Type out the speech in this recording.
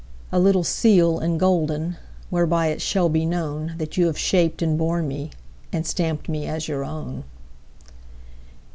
A little seal and golden, Whereby it shall be knownThat you have shaped and borne meAnd stamped me as your own!